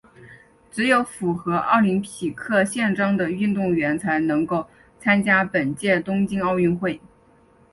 只有符合奥林匹克宪章的运动员才能够参加本届东京奥运。